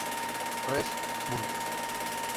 Res.; Bull.